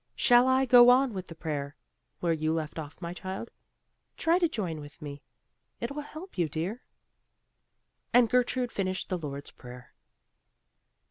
Shall I go on with the prayer, where you left off, my child? Try to join with me; it will help you, dear." And Gertrude finished the Lord's prayer.